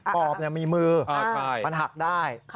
ปอบมีมือมันหักได้